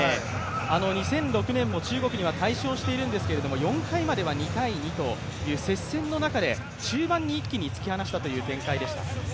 ２００６年も中国には大勝しているんですけど、４回までは２−２という接戦の中で、中盤に一気に突き放したという展開でした。